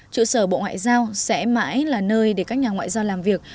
trụ sở bộ ngoại giao sẽ mãi là nơi để các nhà ngoại giao làm việc